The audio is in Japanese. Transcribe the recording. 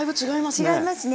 違いますね。